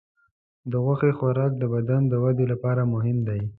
د غوښې خوراک د بدن د وده لپاره مهم دی.